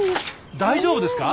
大丈夫ですか？